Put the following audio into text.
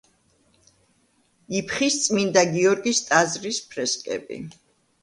იფხის წმინდა გიორგის ტაძრის ფრესკები.